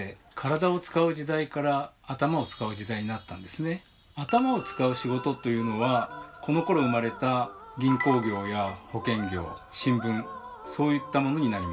しかし頭を使う仕事というのはこのころ生まれた銀行業や保険業新聞そういったものになります。